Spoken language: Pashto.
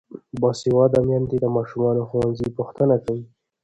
باسواده میندې د ماشومانو د ښوونځي پوښتنه کوي.